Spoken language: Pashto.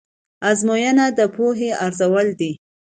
ازموینه د پوهې ارزول دي.